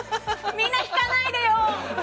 みんな、引かないでよー！